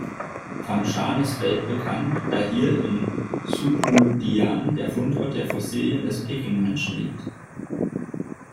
Fangshan ist weltbekannt, da hier in Zhoukoudian der Fundort der Fossilien des Pekingmenschen liegt.